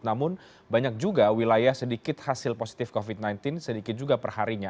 namun banyak juga wilayah sedikit hasil positif covid sembilan belas sedikit juga perharinya